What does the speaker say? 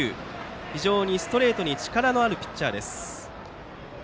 非常にストレートに力のあるピッチャーです。